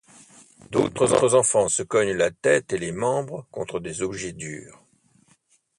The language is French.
D’autres enfants se cognent la tête et les membres contre des objets durs.